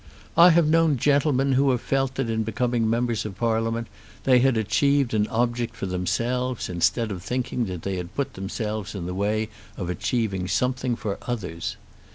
I have known gentlemen who have felt that in becoming members of Parliament they had achieved an object for themselves instead of thinking that they had put themselves in the way of achieving something for others.